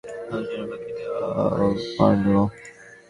নাজনীন বাকি রাতটা আর ঘুমুতে পারল না।